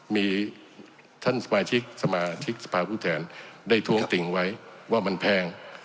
มีท่านสมาชิกสมาชิกสภาพผู้แทนได้ท้วงติ่งไว้ว่ามันแพง